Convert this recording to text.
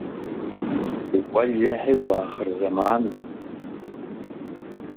Уэлэхьи, уахъырзэманым!